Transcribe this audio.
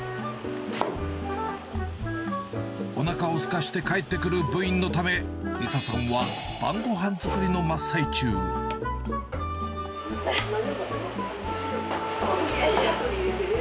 おなかをすかして帰ってくる部員のため、リサさんは晩ごはん作りよいしょっ！